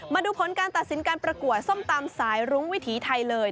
มาดูผลการตัดสินการประกวดส้มตำสายรุ้งวิถีไทยเลย